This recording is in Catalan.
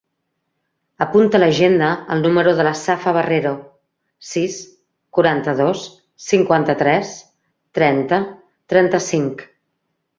Apunta a l'agenda el número de la Safa Barrero: sis, quaranta-dos, cinquanta-tres, trenta, trenta-cinc.